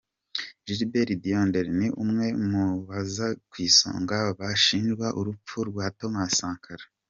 Gilbert Diendéré ni umwe mu baza ku isonga bashinjwa urupfu rwa Thomas Sankara.